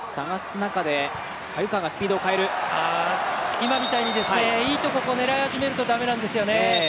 今みたいにいいところを狙い始めると駄目なんですよね。